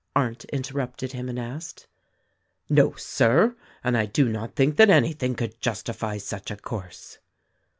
Arndt interrupted him and asked. "No, Sir, and I do not think that anything could justify such a course."